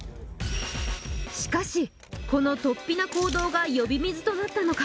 しかしこのとっぴな行動が呼び水となったのか